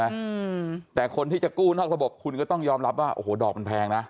อืมแต่คนที่จะกู้นอกระบบคุณก็ต้องยอมรับว่าโอ้โหดอกมันแพงนะ